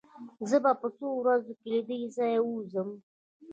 زه به په څو ورځو کې له دې ځايه ووځم.